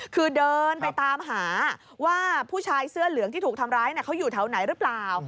คือเดินไปตามหาว่าผู้ชายเสื้อเหลืองที่ถูกทำร้ายเขาอยู่แถวไหนหรือเปล่า